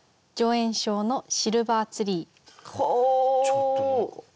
ちょっと何か。